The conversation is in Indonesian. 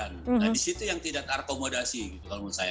nah disitu yang tidak terakomodasi gitu kalau menurut saya